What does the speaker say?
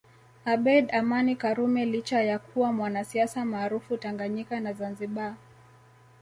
Abeid Amani karume licha ya kuwa mwanasiasa maarufu Tanganyika na Zanzibar